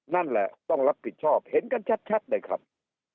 นั่นแหละต้องรับผิดชอบเห็นกันชัดเลยครับ